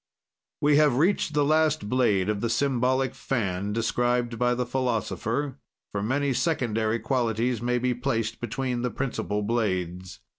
We have reached the last blade of the symbolic fan, described by the philosopher, for many secondary qualities may be placed between the principle blades.